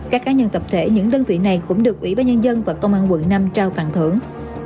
các cá nhân tập thể những đơn vị này cũng được ủy ban nhân dân và công an quận năm trao tặng thưởng